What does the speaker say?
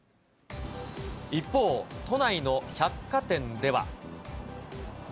一方、都内の百貨店では。